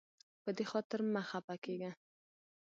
په دې خاطر مه خفه کیږه.